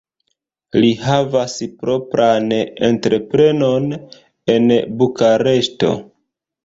Li havas propran entreprenon en Bukareŝto.